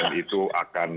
kemudian itu akan